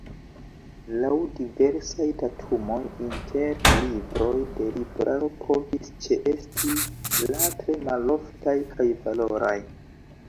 Laŭ diversaj datumoj, inter libroj de Libraro povis ĉeesti la tre maloftaj kaj valoraj.